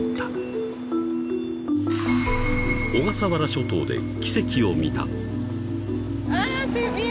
［小笠原諸島で奇跡を見た］